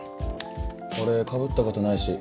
俺かぶったことないし。